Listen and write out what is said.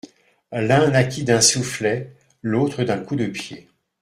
L'un naquit d'un soufflet, l'autre d'un coup de pied.